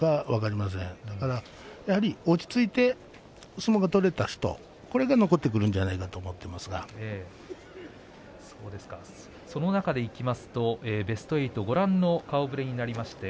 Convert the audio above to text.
ですからやはり落ち着いて相撲が取れた、これが残ってるんその中でいきますとベスト８、ご覧の顔ぶれになりました。